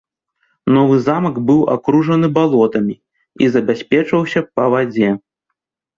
Новы замак быў акружаны балотамі і забяспечваўся па вадзе.